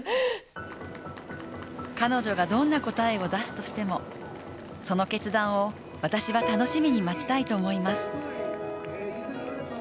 彼女がどんな答えを出すとしてもその決断を、私は楽しみに待ちたいと思います。